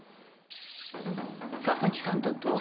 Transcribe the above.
佐々木さんと同世代